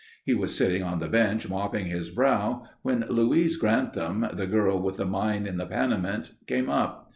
He was sitting on the bench mopping his brow when Louise Grantham, the girl with the mine in the Panamint, came up.